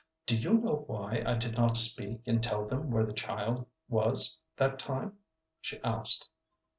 "Do you know why I did not speak and tell them where the child was that time?" she asked.